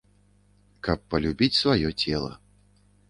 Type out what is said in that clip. Каб палюбіць сваё цела.